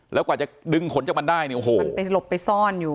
แล้วกว่าจะดึงขนจากมันได้เนี่ยโอ้โหมันไปหลบไปซ่อนอยู่